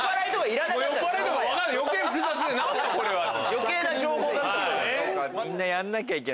余計な情報だった。